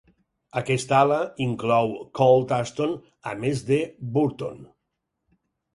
Aquesta ala inclou Cold Aston, a més de Bourton.